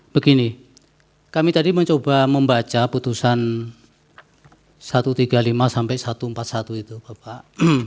begini kami tadi mencoba membaca putusan satu ratus tiga puluh lima sampai satu ratus empat puluh satu itu bapak